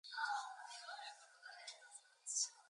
He was titled "Arslan" khan after his ascension to the throne.